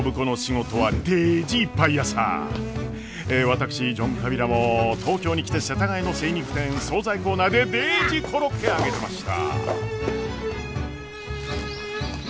私ジョン・カビラも東京に来て世田谷の精肉店総菜コーナーでデージコロッケ揚げてました。